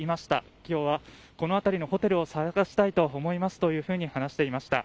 きょうはこの辺りのホテルを探したいと思いますというふうに話していました。